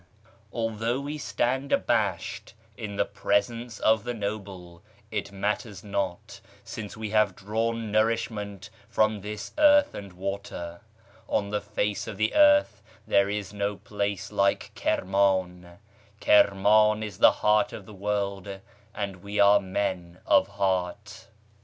Although we stand abashed in the presence of the noble, It matters not, since we have drawn nourishment from this earth and water : On the face of the earth there is no place like Kirman ; Kirman is the heart of the world, and we are men of heart."